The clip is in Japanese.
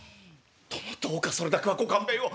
「殿どうかそれだけはご勘弁を。